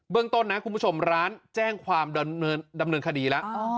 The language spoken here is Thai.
ต้นนะคุณผู้ชมร้านแจ้งความดำเนินคดีแล้ว